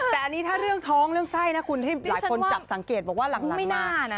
แต่อันนี้ถ้าเรื่องท้องเรื่องไส้นะคุณที่หลายคนจับสังเกตบอกว่าหลังหน้านะ